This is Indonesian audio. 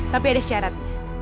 tapi ada syarat